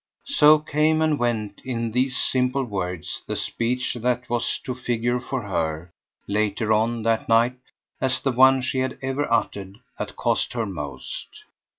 So came and went, in these simple words, the speech that was to figure for her, later on, that night, as the one she had ever uttered that cost her most.